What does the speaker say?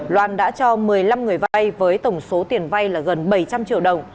loan đã cho một mươi năm người vay với tổng số tiền vay là gần bảy trăm linh triệu đồng